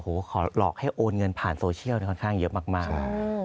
ขอหลอกให้โอนเงินผ่านโซเชียลค่อนข้างเยอะมาก